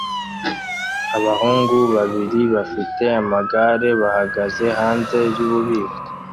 Abahungu babiri bafite amagare bahagaze hanze yububiko